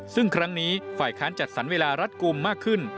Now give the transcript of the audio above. ซึ่งครั้งนี้ฝ่ายค้านจัดสรรเวลารัดกลุ่มมากขึ้น